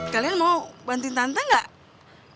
kalian mau banti tante gak